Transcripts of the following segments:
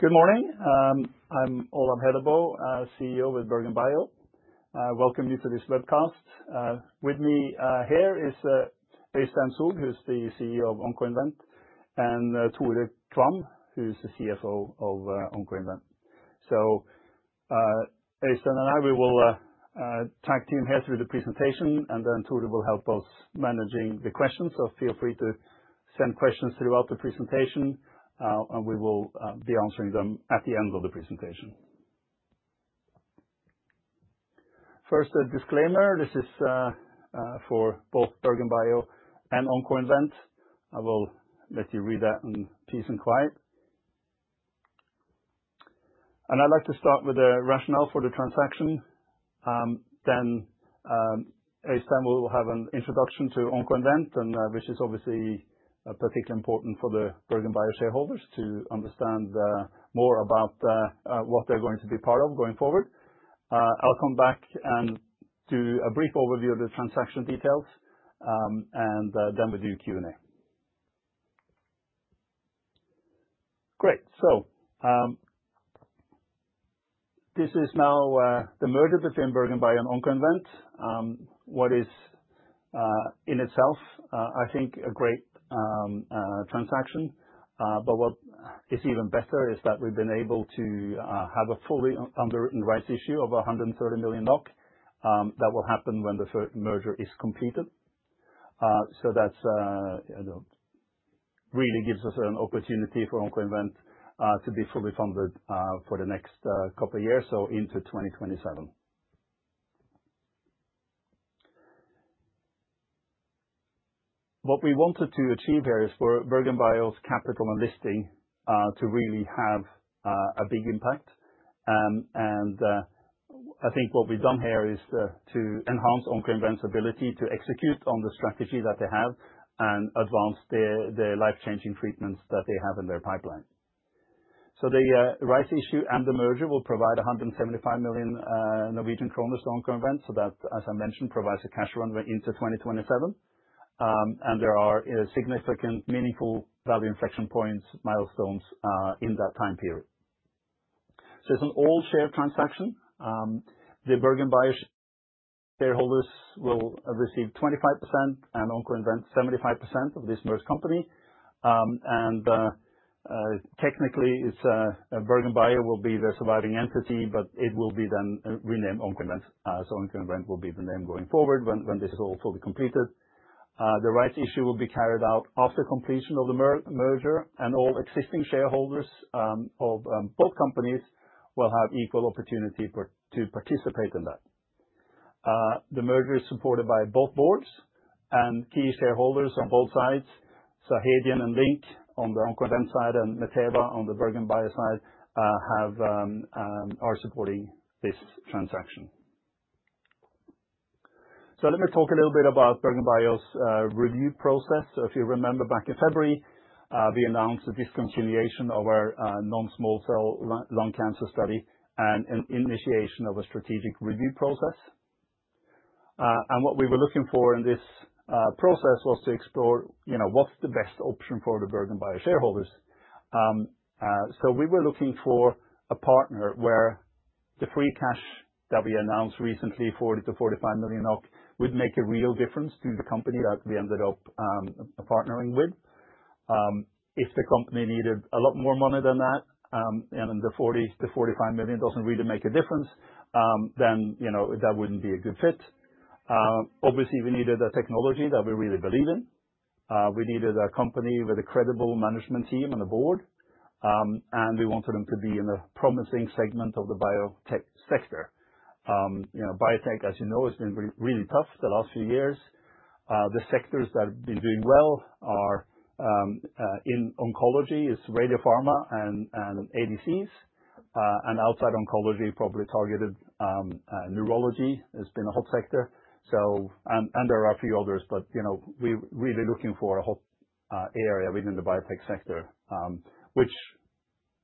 Good morning. I'm Olav Hellebø, CEO with BerGenBio. I welcome you to this webcast. With me here is Øystein Soug, who's the CEO of Oncoinvent, and Tore Kvam, who's the CFO of Oncoinvent. Øystein and I, we will tag team here through the presentation, and Tore will help us managing the questions. Feel free to send questions throughout the presentation, and we will be answering them at the end of the presentation. First, a disclaimer. This is for both BerGenBio and Oncoinvent. I will let you read that in peace and quiet. I'd like to start with the rationale for the transaction. Øystein will have an introduction to Oncoinvent, which is obviously particularly important for the BerGenBio shareholders to understand more about what they're going to be part of going forward. I'll come back and do a brief overview of the transaction details, and then we do Q&A. Great. This is now the merger between BerGenBio and Oncoinvent, which is in itself, I think, a great transaction. What is even better is that we've been able to have a fully underwritten rights issue of $130 million stock that will happen when the merger is completed. That really gives us an opportunity for Oncoinvent to be fully funded for the next couple of years, so into 2027. What we wanted to achieve here is for BerGenBio's capital and listing to really have a big impact. I think what we've done here is to enhance Oncoinvent's ability to execute on the strategy that they have and advance the life-changing treatments that they have in their pipeline. The rights issue and the merger will provide 175 million Norwegian kroner to Oncoinvent. That, as I mentioned, provides a cash runway into 2027. There are significant, meaningful value inflection points, milestones in that time period. It is an all-share transaction. The BerGenBio shareholders will receive 25% and Oncoinvent 75% of this merged company. Technically, BerGenBio will be the surviving entity, but it will be then renamed Oncoinvent. Oncoinvent will be the name going forward when this is all fully completed. The rights issue will be carried out after completion of the merger, and all existing shareholders of both companies will have equal opportunity to participate in that. The merger is supported by both boards and key shareholders on both sides. Hadean and Link on the Oncoinvent side and Mateus on the BerGenBio side are supporting this transaction. Let me talk a little bit about BerGenBio's review process. If you remember, back in February, we announced the discontinuation of our non-small cell lung cancer study and initiation of a strategic review process. What we were looking for in this process was to explore what's the best option for the BerGenBio shareholders. We were looking for a partner where the free cash that we announced recently, $40-$45 million, would make a real difference to the company that we ended up partnering with. If the company needed a lot more money than that, and the $40-$45 million doesn't really make a difference, then that wouldn't be a good fit. Obviously, we needed a technology that we really believe in. We needed a company with a credible management team and a board. We wanted them to be in a promising segment of the biotech sector. Biotech, as you know, has been really tough the last few years. The sectors that have been doing well in oncology are radiopharma and ADCs. Outside oncology, probably targeted neurology has been a hot sector. There are a few others, but we're really looking for a hot area within the biotech sector, which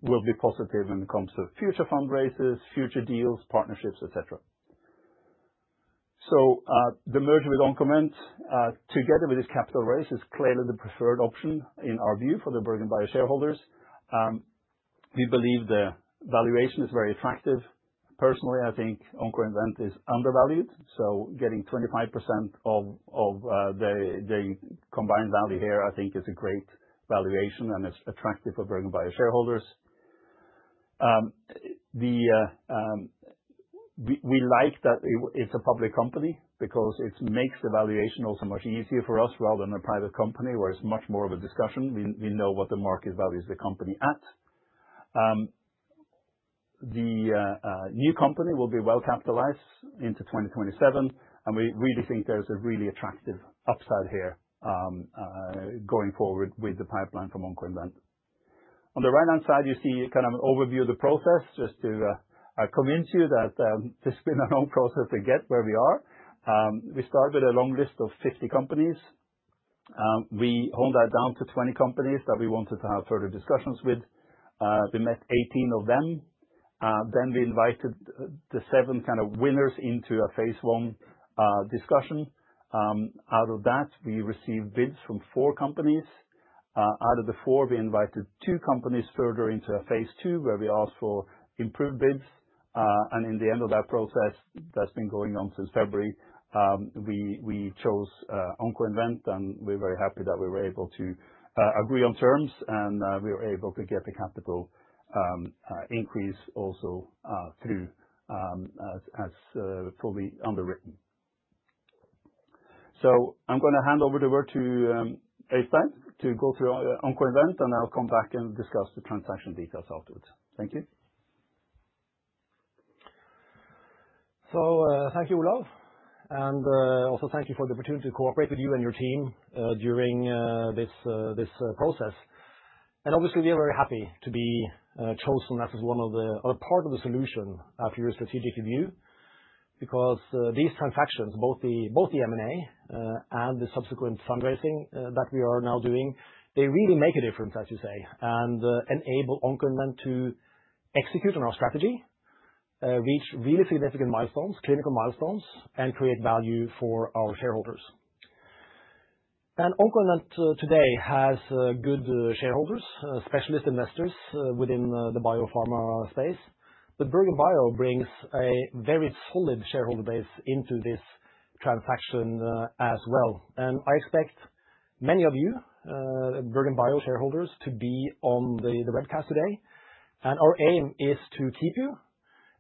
will be positive when it comes to future fundraisers, future deals, partnerships, etc. The merger with Oncoinvent, together with this capital raise, is clearly the preferred option in our view for the BerGenBio shareholders. We believe the valuation is very attractive. Personally, I think Oncoinvent is undervalued. Getting 25% of the combined value here, I think, is a great valuation and is attractive for BerGenBio shareholders. We like that it's a public company because it makes the valuation also much easier for us rather than a private company, where it's much more of a discussion. We know what the market value is the company at. The new company will be well capitalized into 2027. We really think there's a really attractive upside here going forward with the pipeline from Oncoinvent. On the right-hand side, you see kind of an overview of the process. Just to convince you that this has been a long process to get where we are. We started with a long list of 50 companies. We honed that down to 20 companies that we wanted to have further discussions with. We met 18 of them. We invited the seven kind of winners into a phase I discussion. Out of that, we received bids from four companies. Out of the four, we invited two companies further into a phase two, where we asked for improved bids. In the end of that process that has been going on since February, we chose Oncoinvent. We are very happy that we were able to agree on terms and we were able to get the capital increase also through as fully underwritten. I am going to hand over the word to Øystein to go through Oncoinvent, and I will come back and discuss the transaction details afterwards. Thank you. Thank you, Olav. Also, thank you for the opportunity to cooperate with you and your team during this process. Obviously, we are very happy to be chosen as part of the solution after your strategic review because these transactions, both the M&A and the subsequent fundraising that we are now doing, really make a difference, as you say, and enable Oncoinvent to execute on our strategy, reach really significant milestones, clinical milestones, and create value for our shareholders. Oncoinvent today has good shareholders, specialist investors within the biopharma space. BerGenBio brings a very solid shareholder base into this transaction as well. I expect many of you, BerGenBio shareholders, to be on the webcast today. Our aim is to keep you,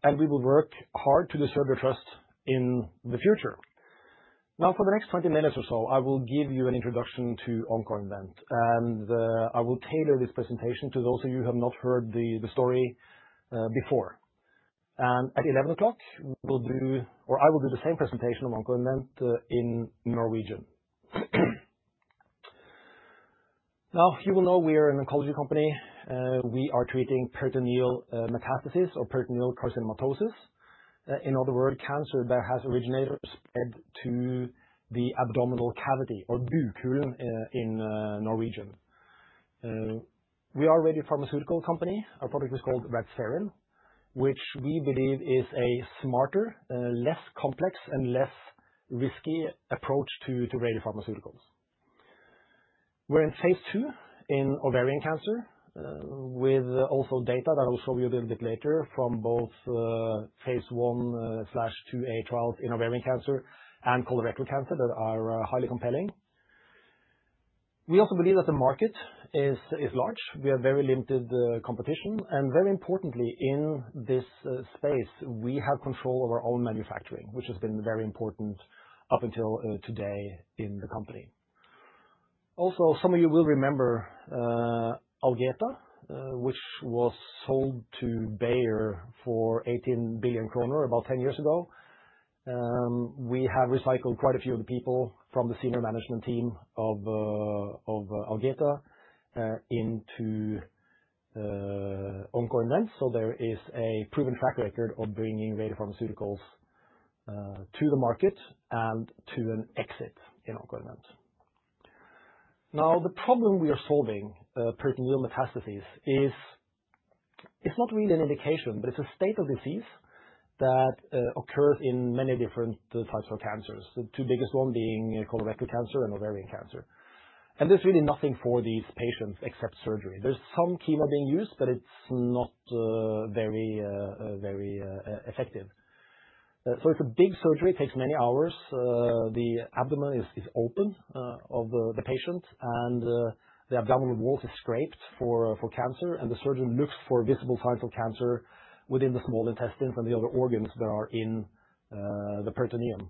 and we will work hard to deserve your trust in the future. Now, for the next 20 minutes or so, I will give you an introduction to Oncoinvent. I will tailor this presentation to those of you who have not heard the story before. At 11:00 A.M., we will do, or I will do the same presentation on Oncoinvent in Norwegian. You will know we are an oncology company. We are treating peritoneal metastasis or peritoneal carcinomatosis, in other words, cancer that has originated or spread to the abdominal cavity, or bukhulen in Norwegian. We are a radiopharmaceutical company. Our product is called Radspherin, which we believe is a smarter, less complex, and less risky approach to radiopharmaceuticals. We are in phase 2 in ovarian cancer, with also data that I will show you a little bit later from both phase 1/2A trials in ovarian cancer and colorectal cancer that are highly compelling. We also believe that the market is large. We have very limited competition. Very importantly, in this space, we have control over our own manufacturing, which has been very important up until today in the company. Also, some of you will remember Algeta, which was sold to Bayer for 18 billion kroner about 10 years ago. We have recycled quite a few of the people from the senior management team of Algeta into Oncoinvent. There is a proven track record of bringing radiopharmaceuticals to the market and to an exit in Oncoinvent. Now, the problem we are solving, peritoneal metastasis, is it's not really an indication, but it's a state of disease that occurs in many different types of cancers, the two biggest ones being colorectal cancer and ovarian cancer. There is really nothing for these patients except surgery. There's some chemo being used, but it's not very effective. It is a big surgery. It takes many hours. The abdomen is open of the patient, and the abdominal wall is scraped for cancer. The surgeon looks for visible signs of cancer within the small intestines and the other organs that are in the peritoneum.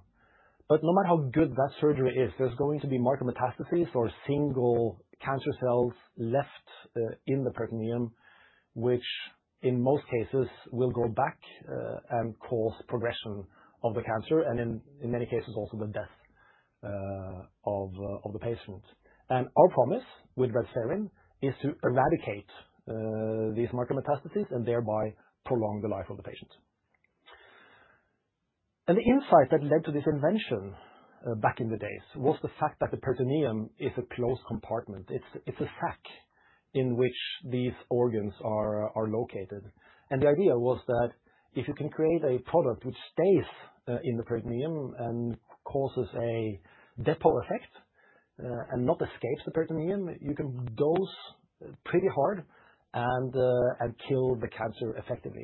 No matter how good that surgery is, there's going to be micrometastases or single cancer cells left in the peritoneum, which in most cases will go back and cause progression of the cancer and in many cases also the death of the patient. Our promise with Radspherin is to eradicate these micrometastases and thereby prolong the life of the patient. The insight that led to this invention back in the days was the fact that the peritoneum is a closed compartment. It is a sac in which these organs are located. The idea was that if you can create a product which stays in the peritoneum and causes a depot effect and does not escape the peritoneum, you can dose pretty hard and kill the cancer effectively.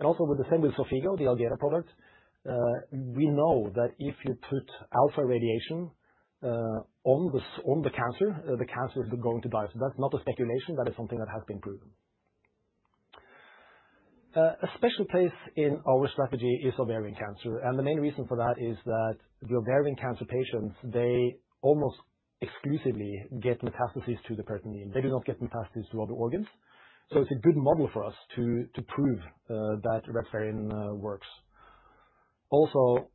Also, with the same with Xofigo, the Algeta product, we know that if you put alpha radiation on the cancer, the cancer is going to die. That is not a speculation. That is something that has been proven. A special place in our strategy is ovarian cancer. The main reason for that is that the ovarian cancer patients, they almost exclusively get metastases to the peritoneum. They do not get metastases to other organs. It is a good model for us to prove that Radspherin works. Also,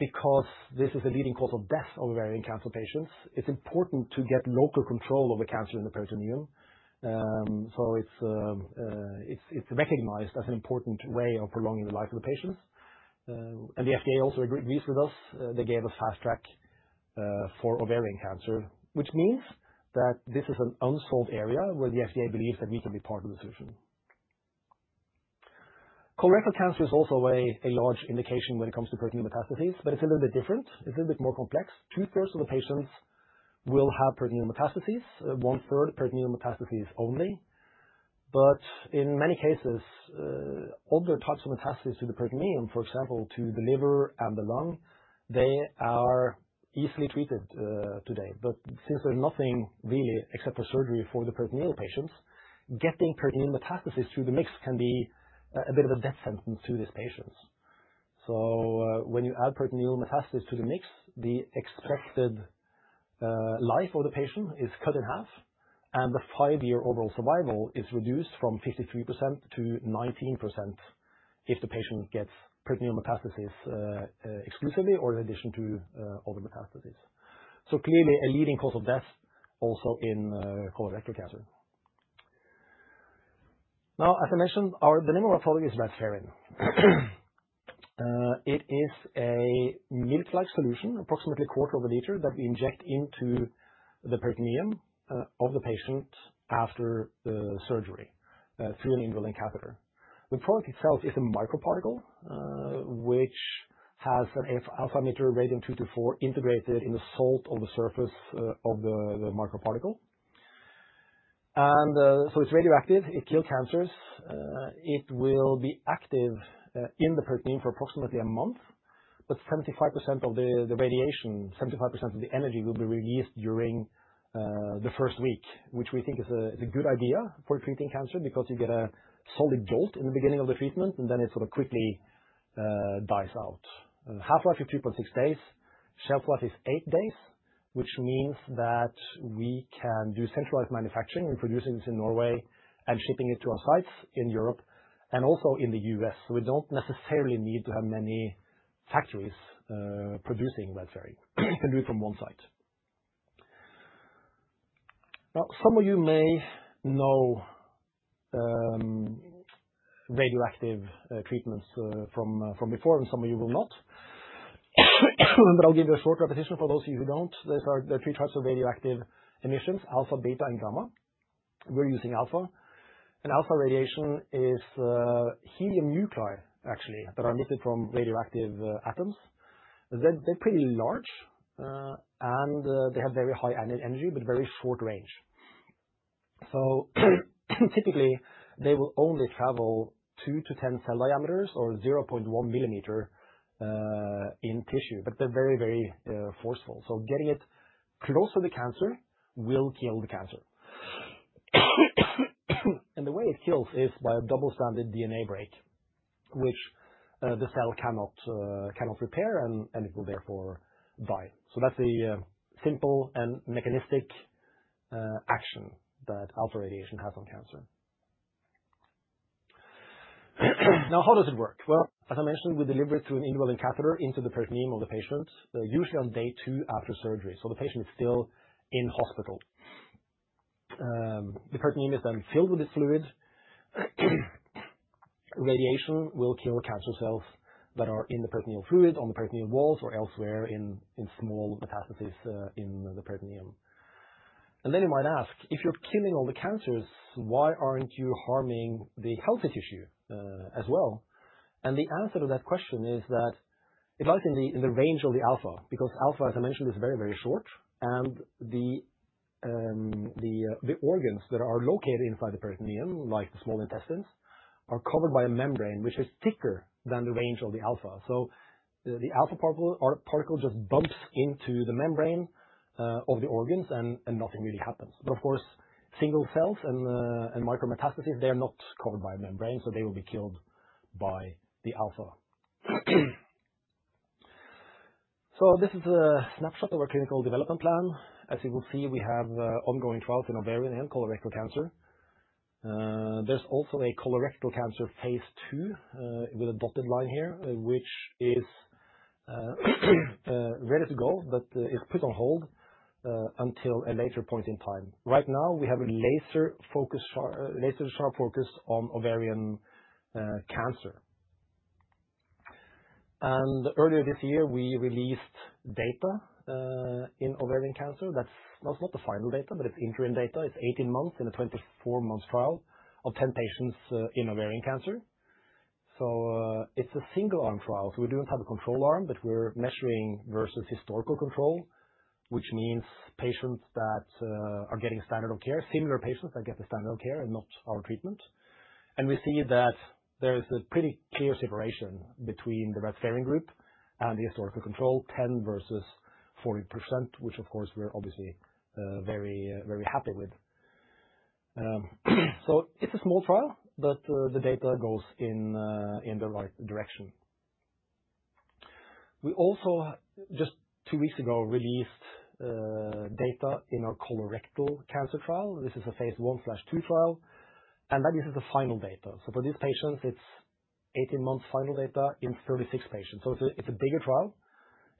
because this is a leading cause of death of ovarian cancer patients, it is important to get local control of the cancer in the peritoneum. It is recognized as an important way of prolonging the life of the patients. The FDA also agrees with us. They gave us fast track for ovarian cancer, which means that this is an unsolved area where the FDA believes that we can be part of the solution. Colorectal cancer is also a large indication when it comes to peritoneal metastases, but it is a little bit different. It is a little bit more complex. Two-thirds of the patients will have peritoneal metastases, one-third peritoneal metastases only. In many cases, other types of metastases to the peritoneum, for example, to the liver and the lung, are easily treated today. Since there is nothing really except for surgery for the peritoneal patients, getting peritoneal metastases through the mix can be a bit of a death sentence to these patients. When you add peritoneal metastases to the mix, the expected life of the patient is cut in half, and the five-year overall survival is reduced from 53% to 19% if the patient gets peritoneal metastases exclusively or in addition to other metastases. Clearly, a leading cause of death also in colorectal cancer. Now, as I mentioned, our denominator of our product is Radspherin. It is a milk-like solution, approximately a quarter of a liter that we inject into the peritoneum of the patient after surgery through an indwelling catheter. The product itself is a microparticle, which has an alpha emitter radium-224 integrated in the salt of the surface of the microparticle. It is radioactive. It kills cancers. It will be active in the peritoneum for approximately a month. Seventy-five percent of the radiation, 75% of the energy will be released during the first week, which we think is a good idea for treating cancer because you get a solid jolt in the beginning of the treatment, and then it sort of quickly dies out. Half-life is 3.6 days. Shelf life is eight days, which means that we can do centralized manufacturing and produce this in Norway and ship it to our sites in Europe and also in the US. We do not necessarily need to have many factories producing Radspherin. We can do it from one site. Now, some of you may know radioactive treatments from before, and some of you will not. I will give you a short repetition for those of you who do not. There are three types of radioactive emissions: alpha, beta, and gamma. We are using alpha. Alpha radiation is helium nuclei, actually, that are emitted from radioactive atoms. They're pretty large, and they have very high energy but very short range. Typically, they will only travel 2-10 cell diameters or 0.1 millimeter in tissue, but they're very, very forceful. Getting it close to the cancer will kill the cancer. The way it kills is by a double-stranded DNA break, which the cell cannot repair, and it will therefore die. That's the simple and mechanistic action that alpha radiation has on cancer. How does it work? As I mentioned, we deliver it through an indwelling catheter into the peritoneum of the patient, usually on day two after surgery. The patient is still in hospital. The peritoneum is then filled with this fluid. Radiation will kill cancer cells that are in the peritoneal fluid, on the peritoneal walls, or elsewhere in small metastases in the peritoneum. You might ask, if you're killing all the cancers, why aren't you harming the healthy tissue as well? The answer to that question is that it lies in the range of the alpha because alpha, as I mentioned, is very, very short. The organs that are located inside the peritoneum, like the small intestines, are covered by a membrane which is thicker than the range of the alpha. The alpha particle just bumps into the membrane of the organs, and nothing really happens. Of course, single cells and micrometastases, they are not covered by a membrane, so they will be killed by the alpha. This is a snapshot of our clinical development plan. As you will see, we have ongoing trials in ovarian and colorectal cancer. There is also a colorectal cancer phase 2 with a dotted line here, which is ready to go but is put on hold until a later point in time. Right now, we have a laser sharp focus on ovarian cancer. Earlier this year, we released data in ovarian cancer. That is not the final data, but it is interim data. It is 18 months in a 24-month trial of 10 patients in ovarian cancer. It is a single-arm trial, so we do not have a control arm, but we are measuring versus historical control, which means patients that are getting standard of care, similar patients that get the standard of care and not our treatment. We see that there is a pretty clear separation between the Radspherin group and the historical control, 10% versus 40%, which, of course, we are obviously very, very happy with. It is a small trial, but the data goes in the right direction. We also just two weeks ago released data in our colorectal cancer trial. This is a phase one/two trial. That is the final data. For these patients, it is 18 months final data in 36 patients. It is a bigger trial.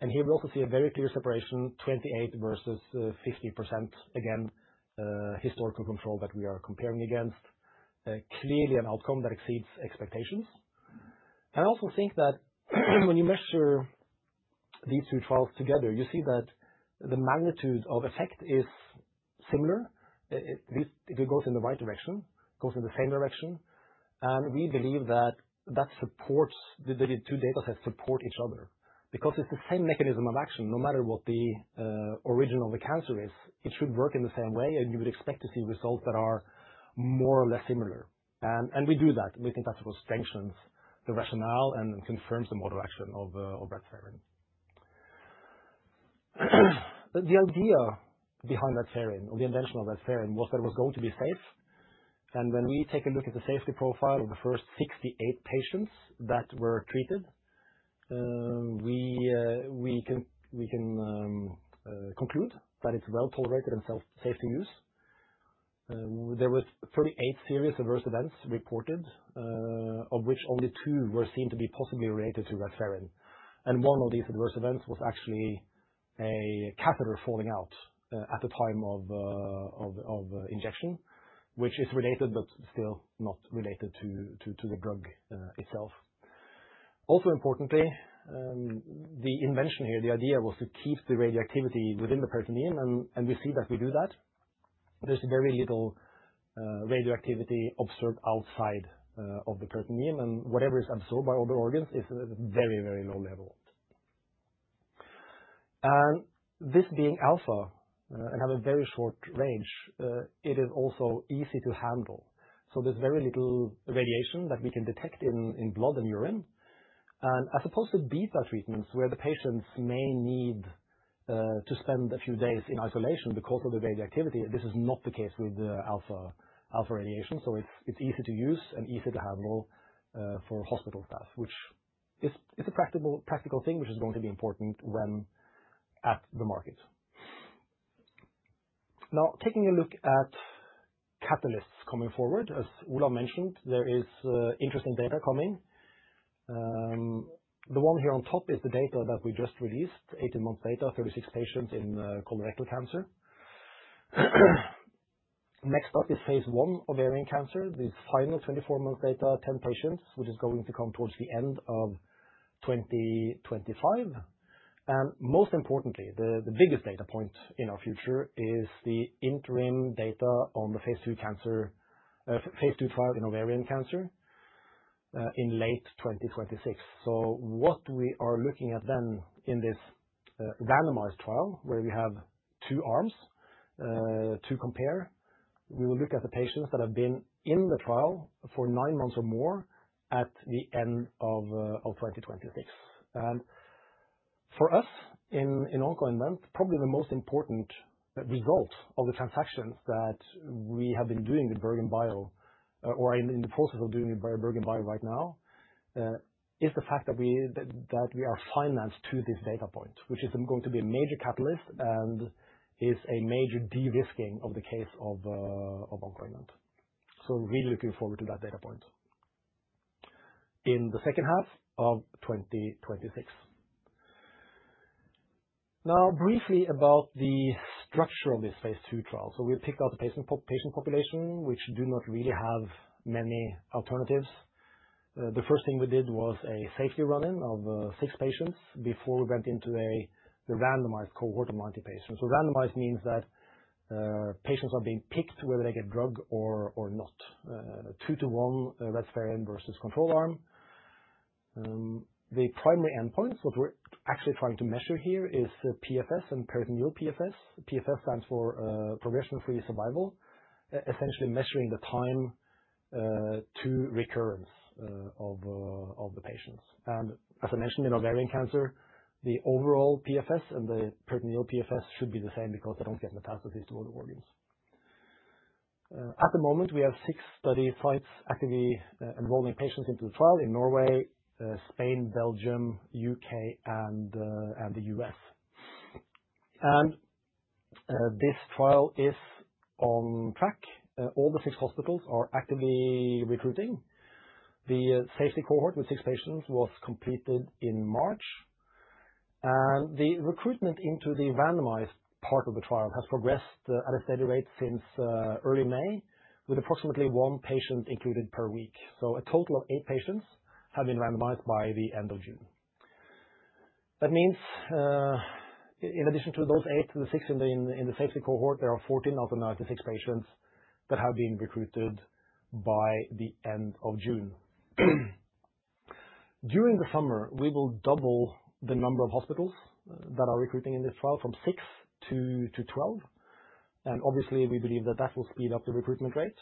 Here we also see a very clear separation, 28% versus 50%, again, historical control that we are comparing against. Clearly, an outcome that exceeds expectations. I also think that when you measure these two trials together, you see that the magnitude of effect is similar. It goes in the right direction, goes in the same direction. We believe that that supports the two data sets support each other because it's the same mechanism of action. No matter what the origin of the cancer is, it should work in the same way. You would expect to see results that are more or less similar. We do that. We think that sort of strengthens the rationale and confirms the mode of action of Radspherin. The idea behind Radspherin or the invention of Radspherin was that it was going to be safe. When we take a look at the safety profile of the first 68 patients that were treated, we can conclude that it's well tolerated and safe to use. There were 38 serious adverse events reported, of which only two were seen to be possibly related to Radspherin. One of these adverse events was actually a catheter falling out at the time of injection, which is related but still not related to the drug itself. Also importantly, the invention here, the idea was to keep the radioactivity within the peritoneum. We see that we do that. There is very little radioactivity observed outside of the peritoneum. Whatever is absorbed by other organs is very, very low level. This being alpha and having a very short range, it is also easy to handle. There is very little radiation that we can detect in blood and urine. As opposed to beta treatments where the patients may need to spend a few days in isolation because of the radioactivity, this is not the case with alpha radiation. It's easy to use and easy to handle for hospital staff, which is a practical thing which is going to be important when at the market. Now, taking a look at catalysts coming forward, as Olav mentioned, there is interesting data coming. The one here on top is the data that we just released, 18 months data, 36 patients in colorectal cancer. Next up is phase one ovarian cancer. This final 24-month data, 10 patients, which is going to come towards the end of 2025. Most importantly, the biggest data point in our future is the interim data on the phase two trial in ovarian cancer in late 2026. What we are looking at then in this randomized trial where we have two arms to compare, we will look at the patients that have been in the trial for nine months or more at the end of 2026. For us in Oncoinvent, probably the most important result of the transactions that we have been doing with BerGenBio or in the process of doing with BerGenBio right now is the fact that we are financed to this data point, which is going to be a major catalyst and is a major de-risking of the case of Oncoinvent. Really looking forward to that data point in the second half of 2026. Now, briefly about the structure of this phase two trial. We picked out the patient population, which do not really have many alternatives. The first thing we did was a safety run-in of six patients before we went into the randomized cohort of 90 patients. Randomized means that patients are being picked whether they get drug or not, two-to-one Radspherin versus control arm. The primary endpoints, what we're actually trying to measure here is PFS and peritoneal PFS. PFS stands for progression-free survival, essentially measuring the time to recurrence of the patients. As I mentioned, in ovarian cancer, the overall PFS and the peritoneal PFS should be the same because they do not get metastases to other organs. At the moment, we have six study sites actively enrolling patients into the trial in Norway, Spain, Belgium, U.K., and the U.S. This trial is on track. All the six hospitals are actively recruiting. The safety cohort with six patients was completed in March. Recruitment into the randomized part of the trial has progressed at a steady rate since early May, with approximately one patient included per week. A total of eight patients have been randomized by the end of June. That means in addition to those eight, the six in the safety cohort, there are 14 out of 96 patients that have been recruited by the end of June. During the summer, we will double the number of hospitals that are recruiting in this trial from 6 to 12. Obviously, we believe that will speed up the recruitment rate.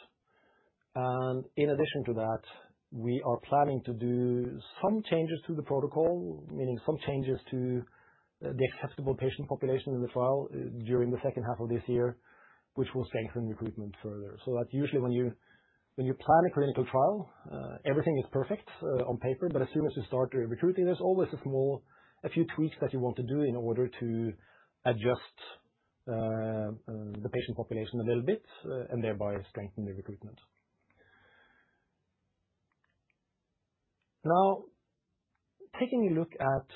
In addition to that, we are planning to do some changes to the protocol, meaning some changes to the acceptable patient population in the trial during the second half of this year, which will strengthen recruitment further. Usually when you plan a clinical trial, everything is perfect on paper. But as soon as you start recruiting, there's always a few tweaks that you want to do in order to adjust the patient population a little bit and thereby strengthen the recruitment. Now, taking a look at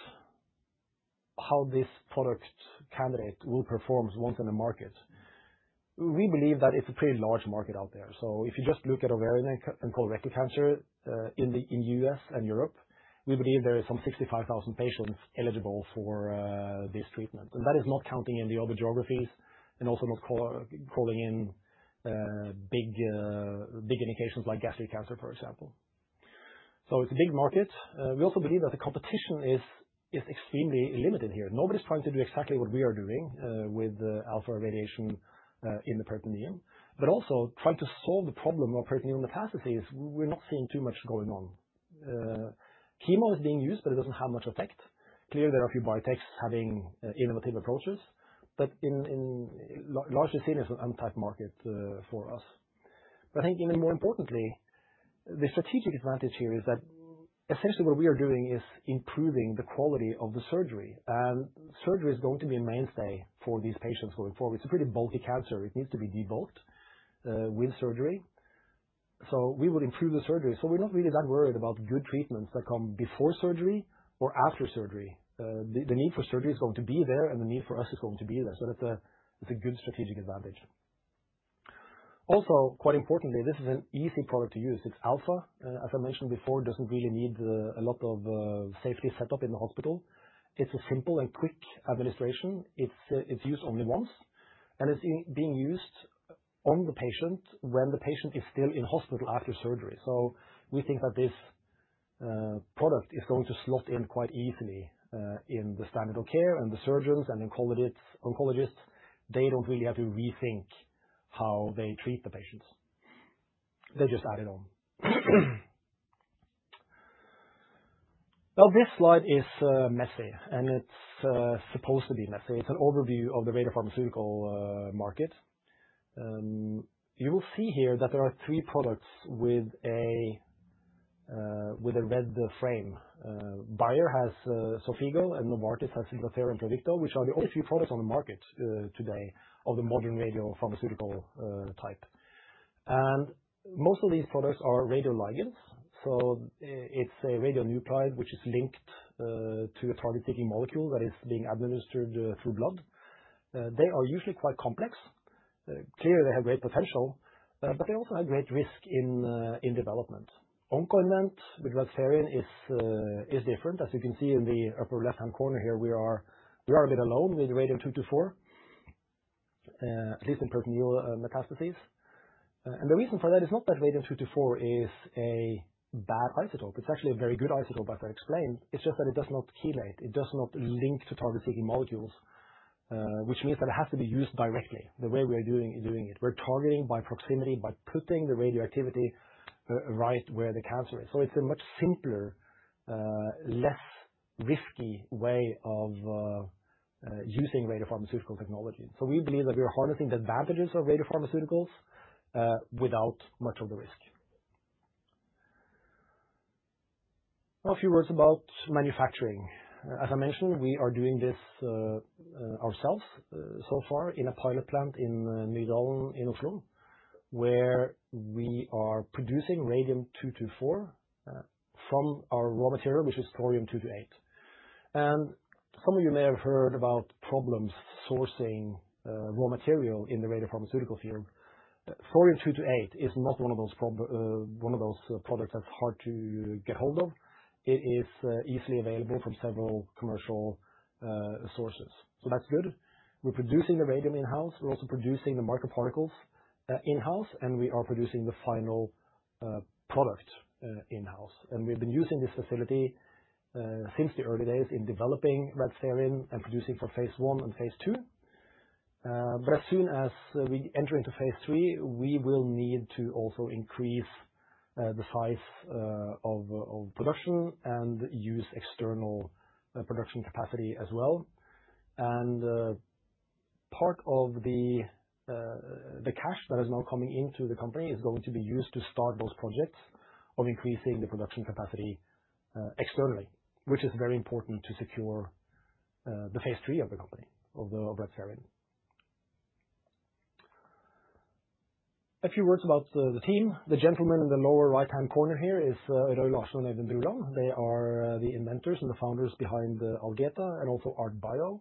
how this product candidate will perform once in the market, we believe that it's a pretty large market out there. If you just look at ovarian and colorectal cancer in the U.S. and Europe, we believe there are some 65,000 patients eligible for this treatment. That is not counting in the other geographies and also not calling in big indications like gastric cancer, for example. It's a big market. We also believe that the competition is extremely limited here. Nobody's trying to do exactly what we are doing with alpha radiation in the peritoneum. Also trying to solve the problem of peritoneal metastases, we're not seeing too much going on. Chemo is being used, but it does not have much effect. Clearly, there are a few biotechs having innovative approaches, but largely seen as an untapped market for us. I think even more importantly, the strategic advantage here is that essentially what we are doing is improving the quality of the surgery. Surgery is going to be a mainstay for these patients going forward. It is a pretty bulky cancer. It needs to be debulked with surgery. We will improve the surgery. We are not really that worried about good treatments that come before surgery or after surgery. The need for surgery is going to be there, and the need for us is going to be there. That is a good strategic advantage. Also, quite importantly, this is an easy product to use. It's alpha. As I mentioned before, it doesn't really need a lot of safety setup in the hospital. It's a simple and quick administration. It's used only once. It's being used on the patient when the patient is still in hospital after surgery. We think that this product is going to slot in quite easily in the standard of care and the surgeons and oncologists. They don't really have to rethink how they treat the patients. They just add it on. Now, this slide is messy, and it's supposed to be messy. It's an overview of the radiopharmaceutical market. You will see here that there are three products with a red frame. Bayer has Xofigo, and Novartis has Lutathera and Pluvicto, which are the only few products on the market today of the modern radiopharmaceutical type. Most of these products are radioligands. It is a radionuclide which is linked to a target-seeking molecule that is being administered through blood. They are usually quite complex. Clearly, they have great potential, but they also have great risk in development. Oncoinvent with Radspherin is different. As you can see in the upper left-hand corner here, we are a bit alone with radium-224, at least in peritoneal metastases. The reason for that is not that radium-224 is a bad isotope. It is actually a very good isotope, as I explained. It is just that it does not chelate. It does not link to target-seeking molecules, which means that it has to be used directly the way we are doing it. We are targeting by proximity, by putting the radioactivity right where the cancer is. It is a much simpler, less risky way of using radiopharmaceutical technology. We believe that we are harnessing the advantages of radiopharmaceuticals without much of the risk. A few words about manufacturing. As I mentioned, we are doing this ourselves so far in a pilot plant in Newdalen in Oslo, where we are producing radium-224 from our raw material, which is thorium-228. Some of you may have heard about problems sourcing raw material in the radiopharmaceutical field. Thorium-228 is not one of those products that is hard to get hold of. It is easily available from several commercial sources. That is good. We are producing the radium in-house. We are also producing the microparticles in-house, and we are producing the final product in-house. We have been using this facility since the early days in developing Radspherin and producing for phase one and phase two. As soon as we enter into phase three, we will need to also increase the size of production and use external production capacity as well. Part of the cash that is now coming into the company is going to be used to start those projects of increasing the production capacity externally, which is very important to secure the phase three of the company, of Radspherin. A few words about the team. The gentleman in the lower right-hand corner here is Eero Larsson and Eivind Bruvik. They are the inventors and the founders behind Algeta and also ArtBio,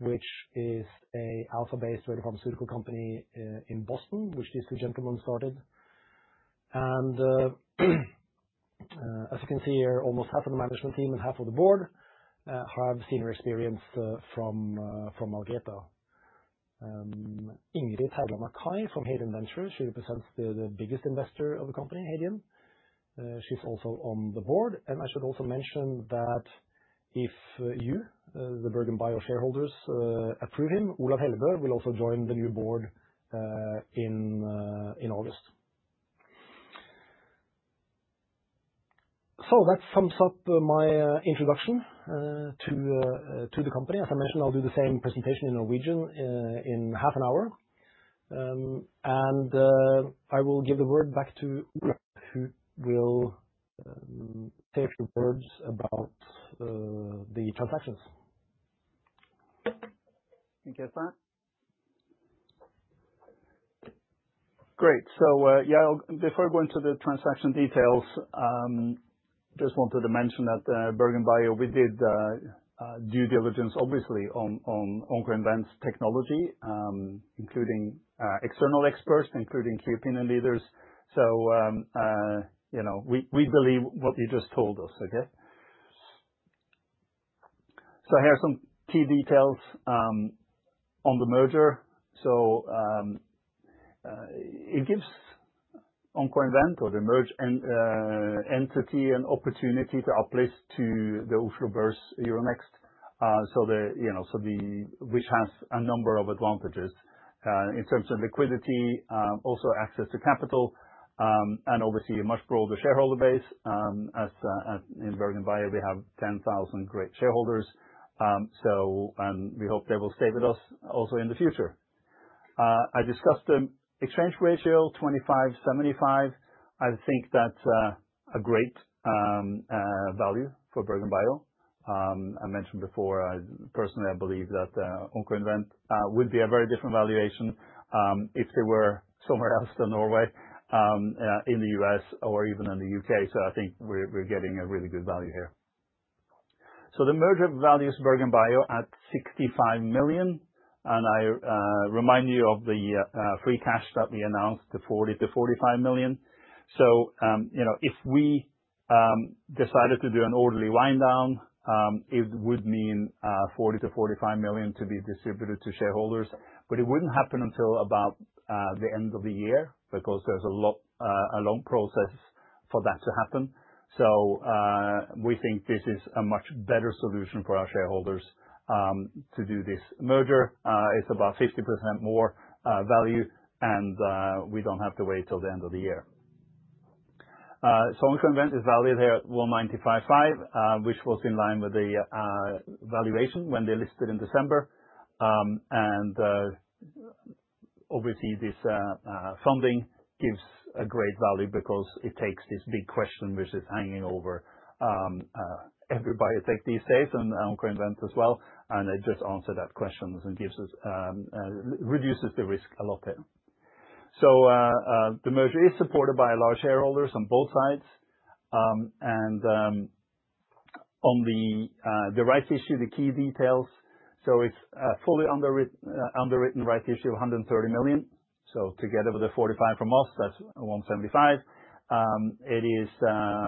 which is an alpha-based radiopharmaceutical company in Boston which these two gentlemen started. As you can see here, almost half of the management team and half of the board have senior experience from Algeta. Ingrid Heldal-Næss from Hadean Ventures represents the biggest investor of the company, Hadean. She is also on the board. I should also mention that if you, the BerGenBio shareholders, approve him, Olav Hellebø will also join the new board in August. That sums up my introduction to the company. As I mentioned, I will do the same presentation in Norwegian in half an hour. I will give the word back to Olav, who will say a few words about the transactions. Thank you for that. Great. Before I go into the transaction details, I just wanted to mention that at BerGenBio, we did due diligence, obviously, on Oncoinvent's technology, including external experts, including key opinion leaders. We believe what you just told us, okay? Here are some key details on the merger. It gives Oncoinvent or the merged entity an opportunity to uplift to the Oslo Børs Euronext, which has a number of advantages in terms of liquidity, also access to capital, and obviously a much broader shareholder base. In BerGenBio, we have 10,000 great shareholders, and we hope they will stay with us also in the future. I discussed the exchange ratio, 25-75. I think that's a great value for BerGenBio. I mentioned before, personally, I believe that Oncoinvent would be a very different valuation if they were somewhere else than Norway, in the U.S. or even in the U.K. I think we're getting a really good value here. The merger values BerGenBio at 65 million. I remind you of the free cash that we announced, the 40-45 million. If we decided to do an orderly wind down, it would mean 40-45 million to be distributed to shareholders. It would not happen until about the end of the year because there is a long process for that to happen. We think this is a much better solution for our shareholders to do this merger. It is about 50% more value, and we do not have to wait till the end of the year. Oncoinvent is valued here at 195.5 million, which was in line with the valuation when they listed in December. Obviously, this funding gives a great value because it takes this big question which is hanging over everybody these days and Oncoinvent as well. It just answers that question and reduces the risk a lot there. The merger is supported by large shareholders on both sides. On the rights issue, the key details: it is a fully underwritten rights issue of 130 million. Together with the 45 million from us, that is NOK 175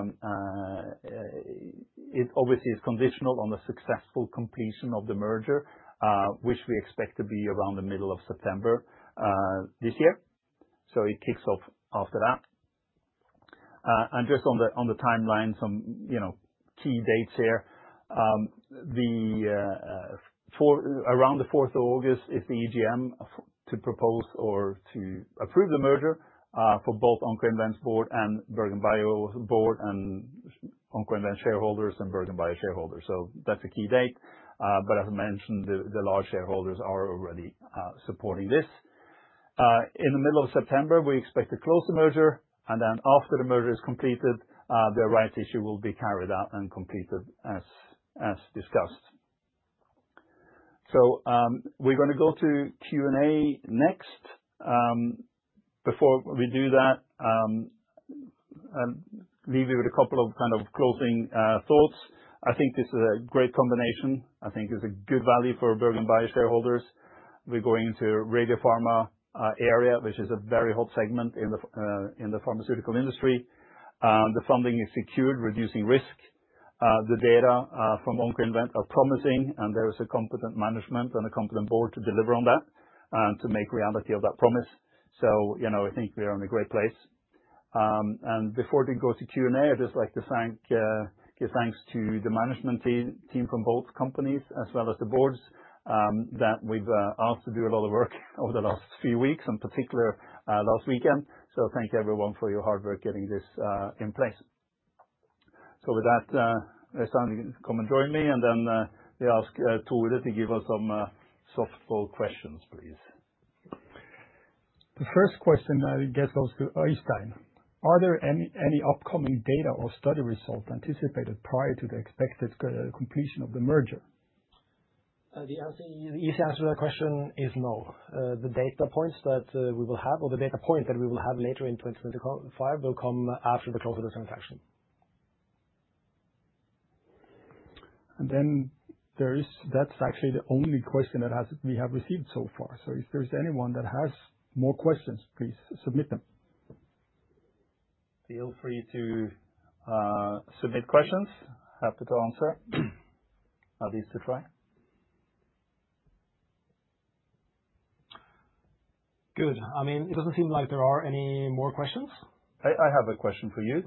million. It obviously is conditional on the successful completion of the merger, which we expect to be around the middle of September this year. It kicks off after that. On the timeline, some key dates here: around the 4th of August is the EGM to propose or to approve the merger for both Oncoinvent's board and BerGenBio's board and Oncoinvent shareholders and BerGenBio shareholders. That is a key date. As I mentioned, the large shareholders are already supporting this. In the middle of September, we expect to close the merger. After the merger is completed, the rights issue will be carried out and completed as discussed. We're going to go to Q&A next. Before we do that, I'll leave you with a couple of kind of closing thoughts. I think this is a great combination. I think it's a good value for BerGenBio shareholders. We're going into the radiopharma area, which is a very hot segment in the pharmaceutical industry. The funding is secured, reducing risk. The data from Oncoinvent are promising, and there is a competent management and a competent board to deliver on that and to make reality of that promise. I think we are in a great place. Before we go to Q&A, I'd just like to give thanks to the management team from both companies as well as the boards that we've asked to do a lot of work over the last few weeks, in particular last weekend. Thank everyone for your hard work getting this in place. With that, it's time to come and join me. And then we ask Tore to give us some softball questions, please. The first question that gets us to Øystein. Are there any upcoming data or study results anticipated prior to the expected completion of the merger? The easy answer to that question is no. The data points that we will have or the data point that we will have later in 2025 will come after the close of the transaction. That's actually the only question that we have received so far. If there's anyone that has more questions, please submit them. Feel free to submit questions. Happy to answer. At least to try. Good. I mean, it doesn't seem like there are any more questions. I have a question for you.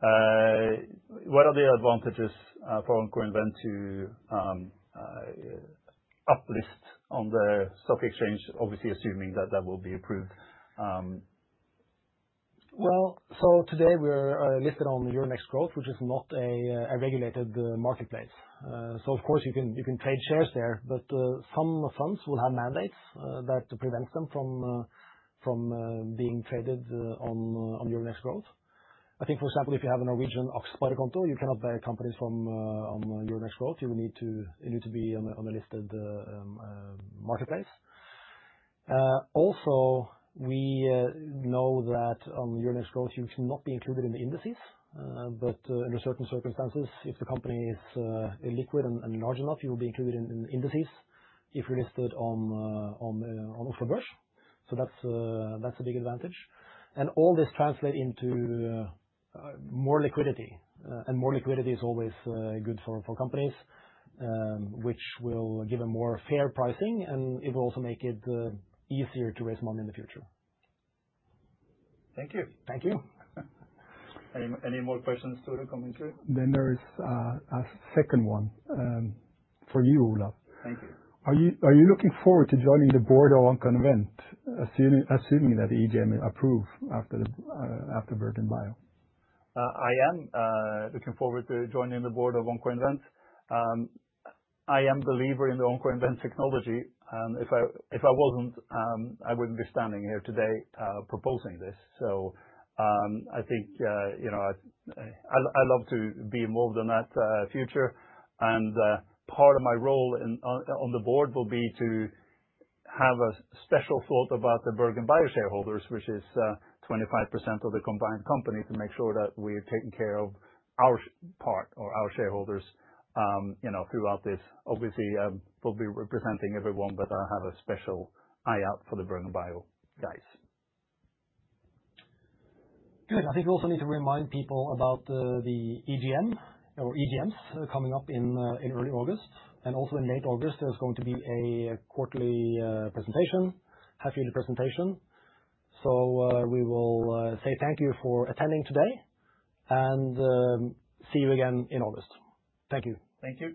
What are the advantages for Oncoinvent to uplist on the stock exchange, obviously assuming that that will be approved? Today we're listed on Euronext Growth, which is not a regulated marketplace. Of course, you can trade shares there, but some funds will have mandates that prevent them from being traded on Euronext Growth. I think, for example, if you have a Norwegian AXA Spire konto, you cannot buy companies from Euronext Growth. You need to be on a listed marketplace. Also, we know that on Euronext Growth, you cannot be included in the indices. Under certain circumstances, if the company is liquid and large enough, you will be included in the indices if you're listed on Oslo Børs. That's a big advantage. All this translates into more liquidity. More liquidity is always good for companies, which will give a more fair pricing, and it will also make it easier to raise money in the future. Thank you. Thank you. Any more questions, Tore coming through? There is a second one for you, Olav. Thank you. Are you looking forward to joining the board of Oncoinvent, assuming that the EGM will approve after BerGenBio? I am looking forward to joining the board of Oncoinvent. I am a believer in the Oncoinvent technology. If I wasn't, I wouldn't be standing here today proposing this. I think I'd love to be involved in that future. Part of my role on the board will be to have a special thought about the BerGenBio shareholders, which is 25% of the combined company, to make sure that we're taking care of our part or our shareholders throughout this. Obviously, we'll be representing everyone, but I have a special eye out for the BerGenBio guys. Good. I think we also need to remind people about the EGM or EGMs coming up in early August. Also, in late August, there's going to be a quarterly presentation, half-yearly presentation. We will say thank you for attending today and see you again in August. Thank you. Thank you.